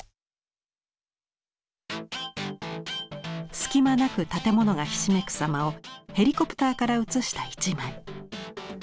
隙間なく建物がひしめくさまをヘリコプターから写した一枚。